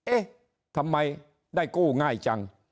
เอ๊ะทำไมได้กู้ง่ายจัง